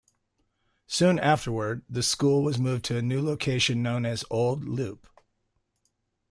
Soon afterward, the school was moved to a new location known as Old Leupp.